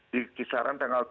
di kisaran tanggal tujuh